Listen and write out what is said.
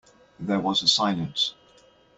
There was a silence.